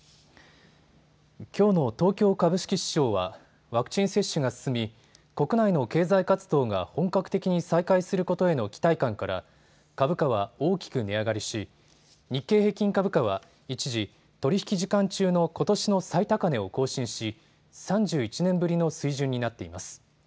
きょうの東京株式市場はワクチン接種が進み国内の経済活動が本格的に再開することへの期待感から株価は大きく値上がりし日経平均株価は一時、取り引き時間中のことしの最高値を更新し、３１年ぶりの水準になっています。